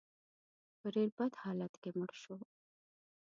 په ډېر بد حالت کې مړ شو.